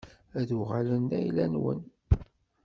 Ad uɣalen d ayla-nwen.